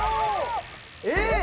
えっ？